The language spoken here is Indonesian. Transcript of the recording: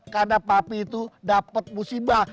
karena papi itu dapat musibah